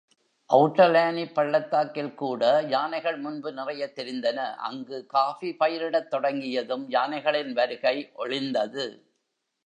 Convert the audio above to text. அவுட்டர்லானிப் பள்ளத்தாக்கில்கூட யானைகள் முன்பு நிறையத் திரிந்தன, அங்கு காஃபி பயிரிடத் தொடங்கியதும் யானைகளின் வருகை ஒழிந்தது.